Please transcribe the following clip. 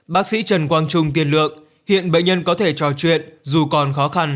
bác sĩ trần quang trung tiên lượng hiện bệnh nhân có thể trò chuyện dù còn khó khăn